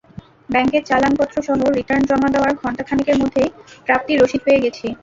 ব্যাংকের চালানপত্রসহ রিটার্ন জমা দেওয়ার ঘণ্টা খানেকের মধ্যেই প্রাপ্তি রসিদ পেয়ে গেছি।